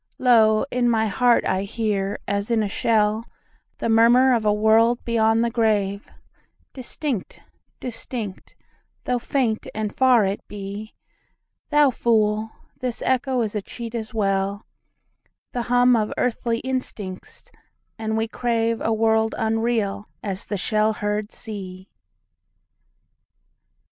Lo, in my heart I hear, as in a shell, The murmur of a world beyond the grave, Distinct, distinct, though faint and far it be. Thou fool; this echo is a cheat as well,—The hum of earthly instincts; and we craveA world unreal as the shell heard sea.